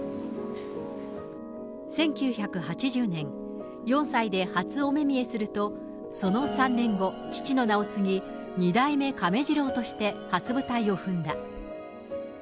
１９８０年、４歳で初お目見えすると、その３年後、父の名を継ぎ、二代目亀治郎として初舞台を踏んだ。